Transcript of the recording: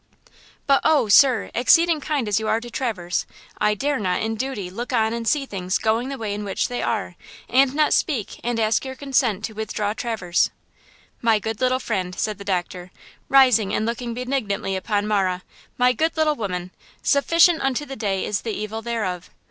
"But oh, sir, exceeding kind as you are to Traverse, I dare not, in duty, look on and see things going the way in which they are, and not speak and ask your consent to withdraw Traverse!" "My good little friend," said the doctor, rising and looking kindly and benignantly upon Marah, "My good little woman 'sufficient unto the day is the evil thereof!'